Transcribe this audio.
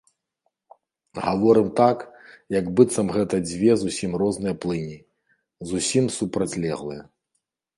Гаворым так, як быццам гэта дзве зусім розныя плыні, зусім супрацьлеглыя.